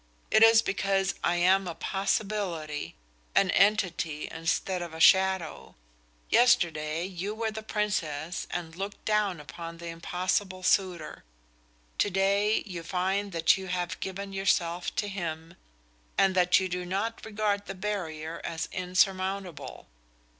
It is because I am a possibility, an entity instead of a shadow. Yesterday you were the Princess and looked down upon the impossible suitor; to day you find that you have given yourself to him and that you do not regard the barrier as insurmountable.